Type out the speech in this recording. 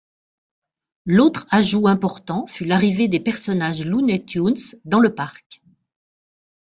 L'autre ajout important fut l'arrivée des personnages Looney Tunes dans le parc.